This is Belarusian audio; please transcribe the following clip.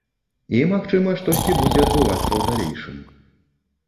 І магчыма штосьці будзе адбывацца ў далейшым.